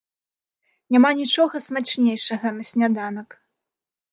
Няма нічога смачнейшага на сняданак.